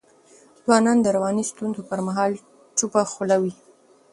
ځوانان د رواني ستونزو پر مهال چوپه خوله وي.